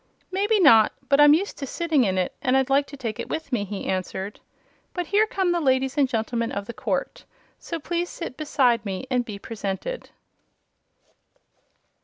"Maybe not; but I'm used to sitting in it and I'd like to take it with me," he answered. "But here come the ladies and gentlemen of the court; so please sit beside me and be presented."